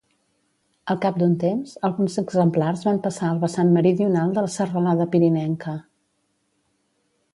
Al cap d'un temps, alguns exemplars van passar al vessant meridional de la serralada pirinenca.